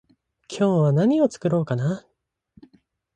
今日は何を作ろうかな？